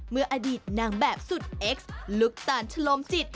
เมื่ออดีตนางแบบสุดเอ็กซ์ลูกตาลชะโลมจิต